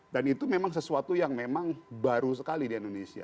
dan itu memang sesuatu yang memang baru sekali di indonesia